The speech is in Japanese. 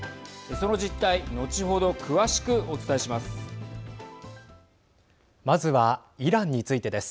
その実態後ほど詳しくお伝えします。